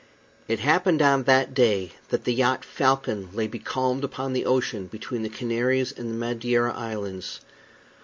It happened on that day that the yacht Falcon lay becalmed upon the ocean between the Canaries and the Madeira Islands.